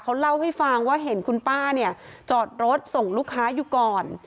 เขาเล่าให้ฟังว่าเห็นคุณป้าเนี่ยจอดรถส่งลูกค้าอยู่ก่อน